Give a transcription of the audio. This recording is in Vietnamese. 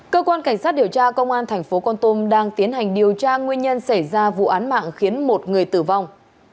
cơ quan cảnh sát điều tra công an tp hcm đang tiến hành điều tra nguyên nhân xảy ra vụ án mạng khiến một người tử vong